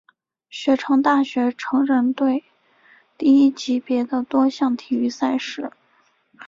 雪城大学橙人队第一级别的多项体育赛事。